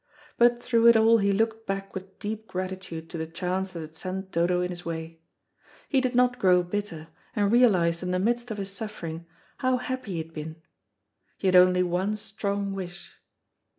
But through it all he looked back with deep gratitude to the chance that had sent Dodo in his way. He did not grow bitter, and realised in the midst of his suffering how happy he had been. He had only one strong wish.